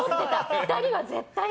２人は絶対。